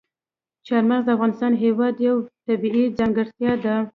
چار مغز د افغانستان هېواد یوه طبیعي ځانګړتیا ده.